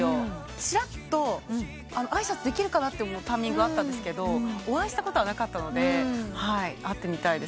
ちらっと挨拶できるかなってタイミングあったんですがお会いしたことはなかったので会ってみたいです。